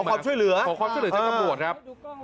ขอความช่วยเหลือจากตำรวจครับ